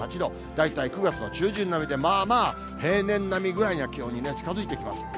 大体９月の中旬並みで、まあまあ平年並みぐらいな気温に近づいてきます。